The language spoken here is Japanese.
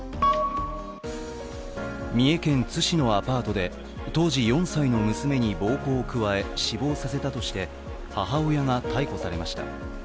三重県津市のアパートで当時４歳の娘に暴行を加え、死亡させたとして母親が逮捕されました。